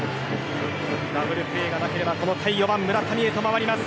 ダブルプレーがなければこの回、４番の村上へ回ります。